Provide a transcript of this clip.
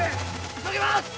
急ぎます！